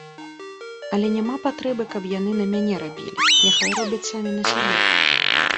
Але няма патрэбы, каб яны на мяне рабілі, няхай робяць самі на сябе.